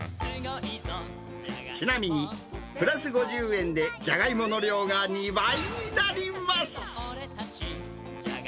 ちなみに、プラス５０円でじゃがいもの量が２倍になります。